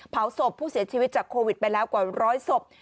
เผาศพผู้เสียชีวิตจากโควิดไปแล้วกว่าร้อยศพ